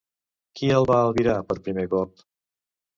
Qui el va albirar per primer cop?